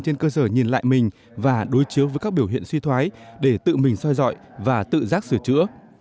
trên cơ sở nhìn lại mình và đối chiếu với các biểu hiện suy thoái để tự mình soi dọi và tự giác sửa chữa